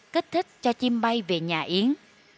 kích thích cho chim bay về nhà yến